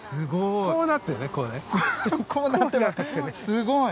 すごい。